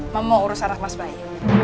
mama mau urus anak mas bayu